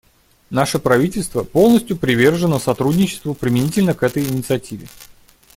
Наше правительство полностью привержено сотрудничеству применительно к этой инициативе.